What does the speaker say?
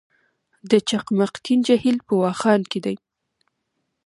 د چقمقتین جهیل په واخان کې دی